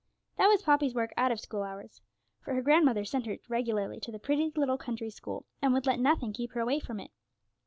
That was Poppy's work out of school hours, for grandmother sent her regularly to the pretty little country school, and would let nothing keep her away from it.